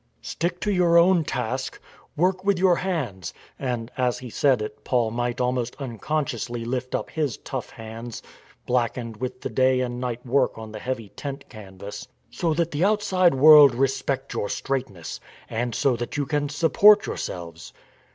Stick to your own task. Work with your hands (and as he said it, Paul might almost unconsciously lift up his tough hands blackened with the day and night work on the heavy tent canvas), so that the outside world respect your straightness, and so that you can support yourselves.